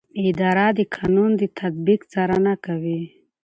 اداره د قانون د تطبیق څارنه کوي.